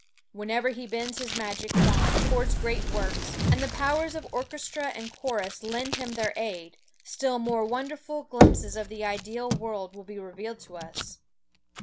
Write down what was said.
Whenever he bends his magic wand towards great works, and the powers of orchestra and chorus lend him their aid, still more wonderful glimpses of the ideal world will be revealed to us.